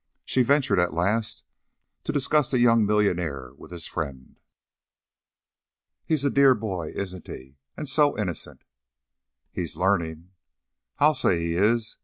She ventured, at last, to discuss the young millionaire with his friend. "He's a dear boy, isn't he? And so innocent." "He's learning." "I'll say he is.